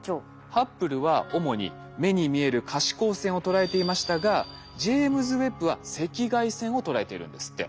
ハッブルは主に目に見える可視光線を捉えていましたがジェイムズ・ウェッブは赤外線を捉えているんですって。